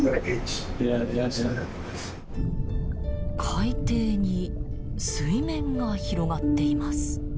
海底に水面が広がっています。